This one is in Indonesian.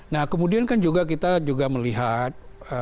nah kemudian kan juga kita juga melihat